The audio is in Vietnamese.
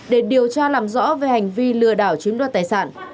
để điều tra làm rõ về hành vi lừa đảo chiếm đoạt tài sản